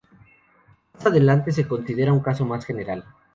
Más adelante se considera un caso más general.